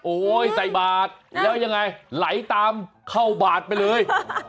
ใส่บาทแล้วยังไงไหลตามเข้าบาทไปเลย